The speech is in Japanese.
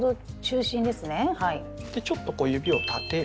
でちょっとこう指を立てる。